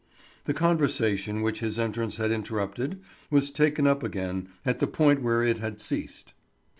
The conversation, which his entrance had interrupted, was taken up again at the point where it had ceased.